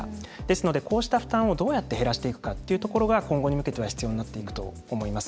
ですので、こうした負担をどうやって減らしていくかということが今後に向けては必要になってくると思います。